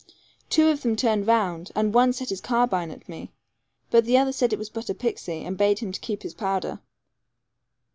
Two of them turned round, and one set his carbine at me, but the other said it was but a pixie, and bade him keep his powder.